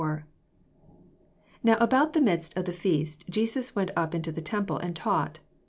14 T Now about the midst of the feast Jesus went up into the temple, and taught.